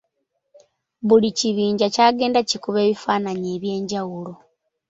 Buli kibinja kyagenda kikuba ebifaananyi eby’enjawulo.